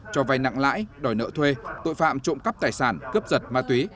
cho vay nặng lãi đòi nợ thuê tội phạm trộm cắp tài sản cướp giật ma túy